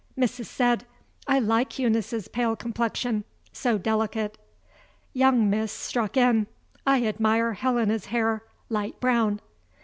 Mrs. said: "I like Eunice's pale complexion. So delicate." Young Miss struck in: "I admire Helena's hair light brown."